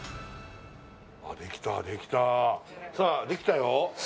さあできたよ